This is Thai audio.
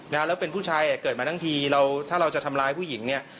แล้วเป็นผู้ชายอ่ะเกิดมาทั้งทีเราถ้าเราจะทำร้ายผู้หญิงเนี่ย